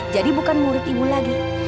jadi bukan murid ibu lagi